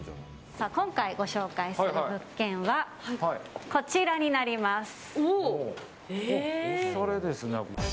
今回ご紹介する物件はこちらになります。